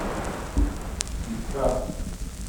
Ifa.